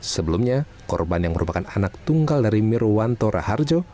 sebelumnya korban yang merupakan anak tunggal dari mirwanto raharjo